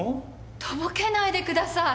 とぼけないでください。